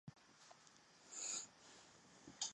珠穆朗玛南峰是珠穆朗玛峰的一个副峰。